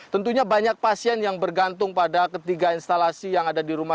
tentunya banyak pasien yang bergantung pada ketiga instalasi yang ada di rumah